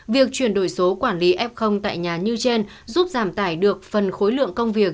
việc chuyển đổi số quản lý f tại nhà như trên giúp giảm tải được phần khối lượng công việc